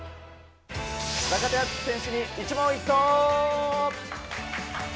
坂手淳史選手に一問一答！